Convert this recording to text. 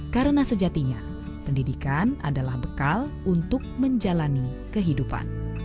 karena sejatinya pendidikan adalah bekal untuk menjalani kehidupan